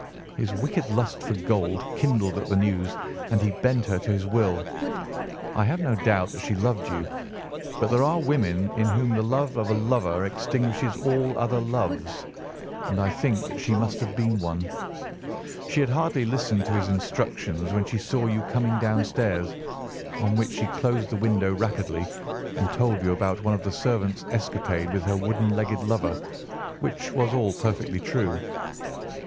His wicked lust for gold kindled at the news, and he bent her to his will. I have no doubt that she loved you, but there are women in whom the love of a lover extinguishes all other loves, and I think that she must have been one. She had hardly listened to his instructions when she saw you coming downstairs, on which she closed the window rapidly and told you about one of the servants' escapade with her wooden legged lover, which was all perfectly true.